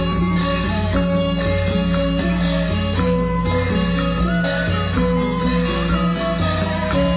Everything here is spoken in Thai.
กรรมต่อสอนภูมิห่วงแห่งค้ำภักกรรมเป็นกรรมแบ่งปันความดี